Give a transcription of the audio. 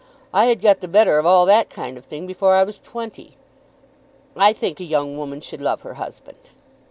I had got the better of all that kind of thing before I was twenty." "I think a young woman should love her husband."